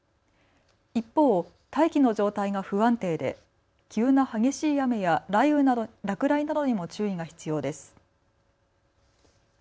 一方、大気の状態が不安定で急な激しい雨や落雷などにも注意が必要です。